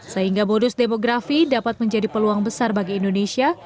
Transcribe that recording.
sehingga bonus demografi dapat menjadi peluang besar bagi indonesia